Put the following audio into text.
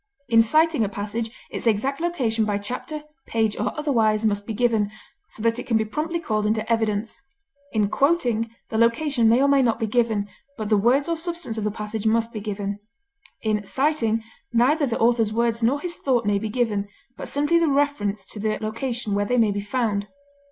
In citing a passage its exact location by chapter, page, or otherwise, must be given, so that it can be promptly called into evidence; in quoting, the location may or may not be given, but the words or substance of the passage must be given. In citing, neither the author's words nor his thought may be given, but simply the reference to the location where they may be found.